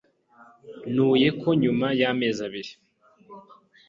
nuye ko nyuma y’amezi abiri